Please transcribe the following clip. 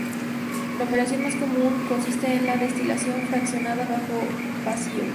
La operación más común consiste en la destilación fraccionada bajo vacío.